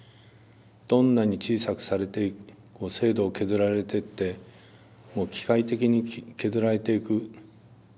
どんなに小さくされて制度を削られてってもう機械的に削られていく。